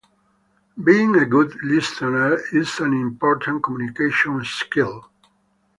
Being a good listener is an important communication skill.